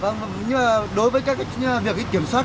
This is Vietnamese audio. nhưng mà đối với việc kiểm soát